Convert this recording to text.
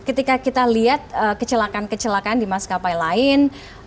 ketika kita lihat kecelakaan kecelakaan di maskapai lain